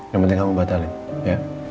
yang penting kamu batalin ya